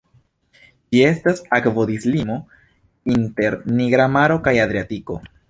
Ĝi estas akvodislimo inter Nigra Maro kaj Adriatiko.